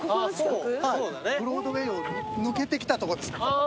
ブロードウェイを抜けてきたとこですね。